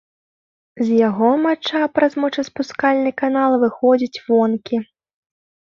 З яго мача праз мочаспускальны канал выходзіць вонкі.